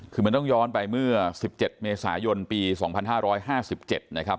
คือมันต้องย้อนไปเมื่อ๑๗เมษายนปี๒๕๕๗นะครับ